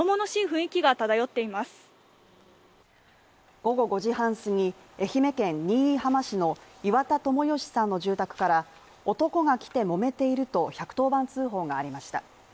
午後５時半すぎ、愛媛県新居浜市の岩田友義さんの住宅から男が来てもめていると１１０番通報がありました。